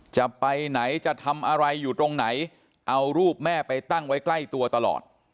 จะไปไหนจะทำอะไรอยู่ตรงไหนเอารูปแม่ไปตั้งไว้ใกล้ตัวตลอด